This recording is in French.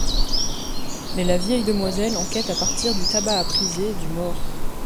Mais la vieille demoiselle enquête à partir du tabac à priser du mort...